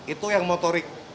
itu yang motorik